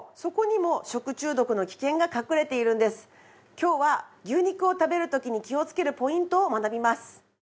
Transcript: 今日は牛肉を食べる時に気をつけるポイントを学びます。